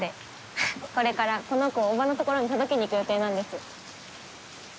ははっこれからこの子を叔母のところに届けにいく予定なんです。